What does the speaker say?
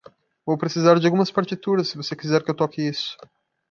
Vou precisar de algumas partituras, se você quiser que eu toque isso.